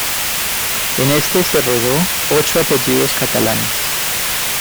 En este se rodó "Ocho apellidos catalanes".